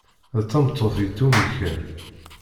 D tameṭṭut yettumelken.